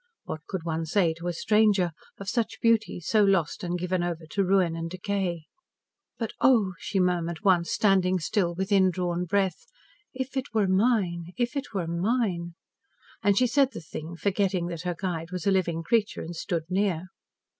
What could one say, to a stranger, of such beauty so lost and given over to ruin and decay. "But, oh!" she murmured once, standing still, with indrawn breath, "if it were mine! if it were mine!" And she said the thing forgetting that her guide was a living creature and stood near.